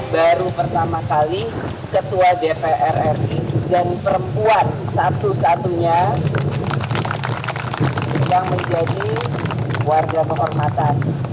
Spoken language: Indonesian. baru pertama kali ketua dpr ri dan perempuan satu satunya yang menjadi warga kehormatan